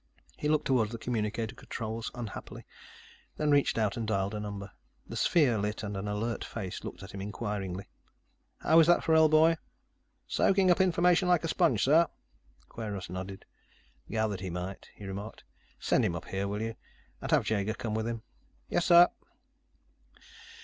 He looked toward the communicator controls unhappily, then reached out and dialed a number. The sphere lit and an alert face looked at him inquiringly. "How is that Forell boy?" "Soaking up information like a sponge, sir." Kweiros nodded. "Gathered he might," he remarked. "Send him up here, will you? And have Jaeger come with him." "Yes, sir."